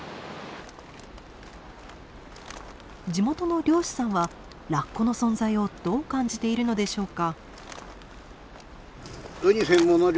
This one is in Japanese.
地元の漁師さんはラッコの存在をどう感じているのでしょうか？